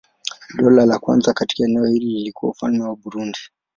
Dola la kwanza katika eneo hili lilikuwa Ufalme wa Burundi.